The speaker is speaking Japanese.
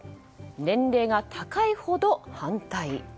年齢が高いほど反対。